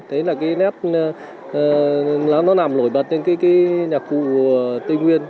đấy là cái nét nó nằm nổi bật trên cái nhạc cụ tây nguyên